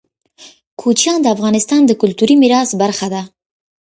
کوچیان د افغانستان د کلتوري میراث برخه ده.